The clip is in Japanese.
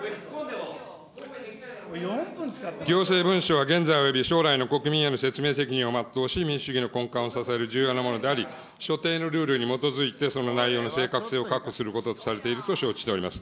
行政文書は現在および将来の国民への説明責任を全うし、民主主義の根幹を支える重要なものであり、所定のルールに基づいてその内容の正確性を確保するものと承知しております。